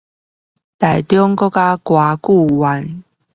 臺中國家歌劇院